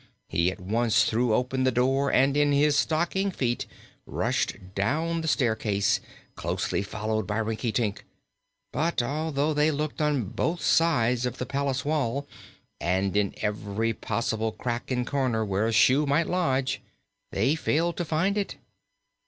He at once threw open the door and in his stocking feet rushed down the staircase, closely followed by Rinkitink. But although they looked on both sides of the palace wall and in every possible crack and corner where a shoe might lodge, they failed to find it.